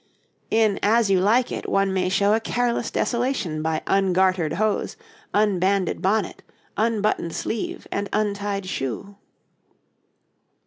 In 'As You Like It' one may show a careless desolation by ungartered hose, unbanded bonnet, unbuttoned sleeve, and untied shoe.